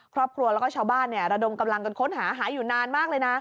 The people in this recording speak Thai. ครอบครัวแล้วก็ชาวบ้านระดมกำลังกันค้นหาหาอยู่นานมากเลยนะ